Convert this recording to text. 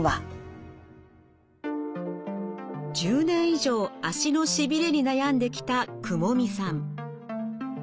１０年以上足のしびれに悩んできた雲見さん。